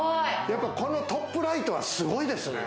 このトップライトはすごいですね。